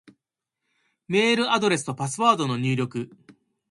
メールアドレスとパスワードの入力